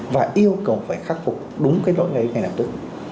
và yêu cầu phải khắc phục đúng cái lỗi đấy ngay lập tức